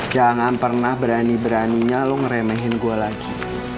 jangan pernah berani beraninya lo ngeremehin gue lagi